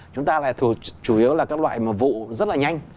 chúng ta lại chủ yếu là các loại mùa vụ rất là nhanh